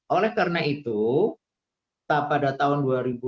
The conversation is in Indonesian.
oleh karena itu pada tahun dua ribu dua puluh